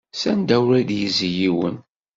S anda ur ad yezzi yiwen.